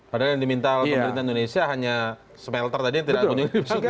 padahal yang diminta pemerintah indonesia hanya smelter tadi yang tidak muncul di sini